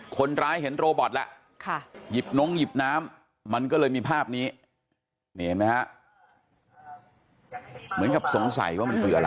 คนร้ายเห็นโรบอทแล้ว